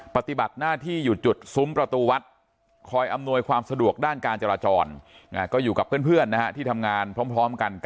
ปฏิบัติหน้าที่อยู่จุดซุ้มประตูวัดคอยอำนวยความสะดวกด้านการจราจรก็อยู่กับเพื่อนที่ทำงานพร้อมกัน